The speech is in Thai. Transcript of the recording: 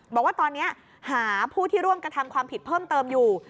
บอกว่าตอนนี้หาผู้ที่ร่วมกระทำความผิดเพิ่มเติมอยู่